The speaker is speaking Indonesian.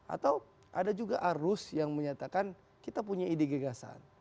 atau ada juga arus yang menyatakan kita punya ide gagasan